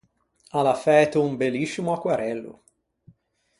A l’à fæto un belliscimo aquarello.